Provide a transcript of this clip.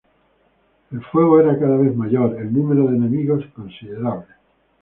El fuego era cada vez mayor, el número de enemigos considerable.